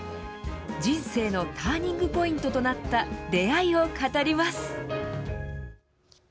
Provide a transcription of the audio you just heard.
人生のターニングポイントとなった出会いを語ります。